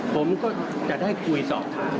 ผมก็จะได้คุยสอบถาม